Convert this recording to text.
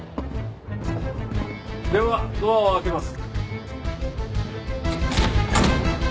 ではドアを開けます。